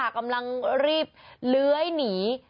กำลังรีบเลื้อยหนี